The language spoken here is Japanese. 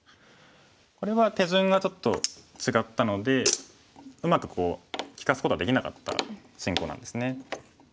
これは手順がちょっと違ったのでうまく利かすことができなかった進行なんですね。